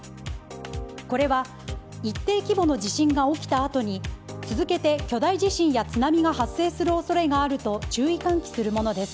これは一定規模の地震が起きたあとに続けて巨大地震や津波が発生する恐れがあるが注意喚起するものです。